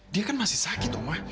dia kan masih sakit rumah